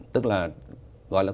tức là gọi là